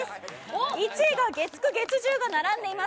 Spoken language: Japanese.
１位が月９、月１０が並んでいます。